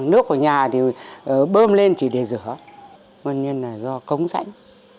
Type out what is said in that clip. nước của nhà thì bơm lên chỉ để rửa nguyên nhân là do cống sảnh